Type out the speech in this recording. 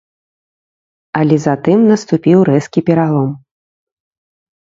Але затым наступіў рэзкі пералом.